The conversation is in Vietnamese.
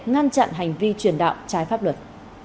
ngăn chặn hành vi truyền đạo trái pháp luật